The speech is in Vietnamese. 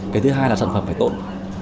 cái thứ hai là sản phẩm phải tộn